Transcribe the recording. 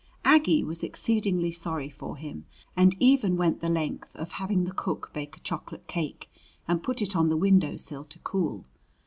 Aggie was exceedingly sorry for him, and even went the length of having the cook bake a chocolate cake and put it on the window sill to cool.